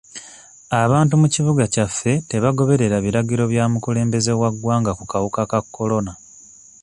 Abantu mu kibuga kyaffe tebagoberera biragiro bya mukulembeze wa ggwanga ku kawuka ka kolona.